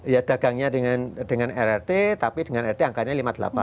ya dagangnya dengan rrt tapi dengan rt angkanya lima puluh delapan